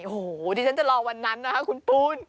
โอ้โหดิฉันจะรอวันนั้นนะคะคุณปูน